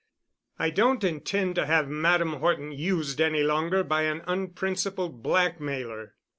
I don't intend to have Madame Horton used any longer by an unprincipled blackmailer."